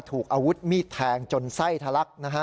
ถูกอาวุธมีดแทงจนไส้ทะลักนะฮะ